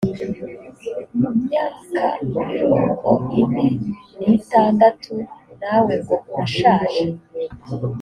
mu myaka mirongo ine n itandatu nawe ngo urashaje